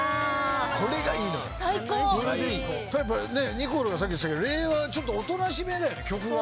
ニコルがさっき言ってたけど令和おとなしめだよね曲が。